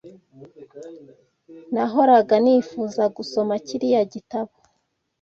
Nahoraga nifuza gusoma kiriya gitabo.